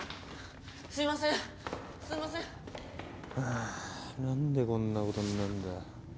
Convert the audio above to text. あ何でこんなことになるんだよ。